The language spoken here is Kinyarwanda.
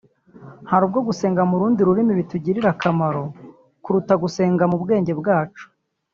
Hari ubwo gusenga mu rundi rurimi bitugirira akamaro kuruta gusenga mu bwenge bwacu